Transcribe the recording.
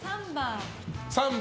３番。